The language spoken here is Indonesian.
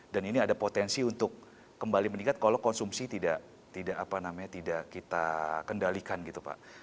dan ini ada potensi untuk kembali meningkat kalau konsumsi tidak kita kendalikan gitu pak